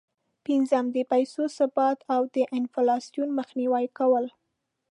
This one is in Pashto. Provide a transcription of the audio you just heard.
پنځم: د پیسو ثبات او د انفلاسون مخنیوی کول.